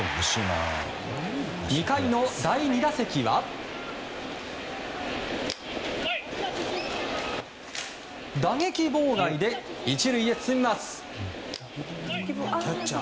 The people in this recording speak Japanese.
２回の第２打席は、打撃妨害で１塁へ進みます。